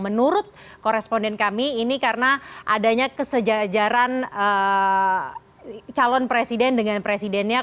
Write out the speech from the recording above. menurut koresponden kami ini karena adanya kesejajaran calon presiden dengan presidennya